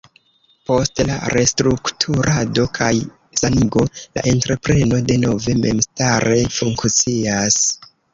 Post la restrukturado kaj sanigo, la entrepreno denove memstare funkcias.